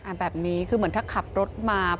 แบบนี้คือเหมือนถ้าขับรถมา